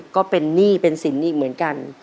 ก็เป็นหนี้เป็นสินอีกเหมือนกัน